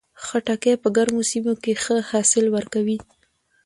خټکی په ګرمو سیمو کې ښه حاصل ورکوي.